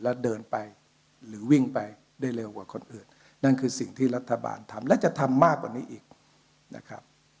แล้วเดินไปหรือวิ่งไปได้เร็วกว่าคนอื่นนั่นคือสิ่งที่รัฐบาลทำและจะทำมากกว่านี้อีกนะครับ